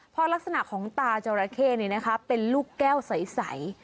พอลักษณะของตาจอราเข้เป็นลูกแก้วใส